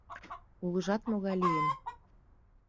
Улыжат могай лийын.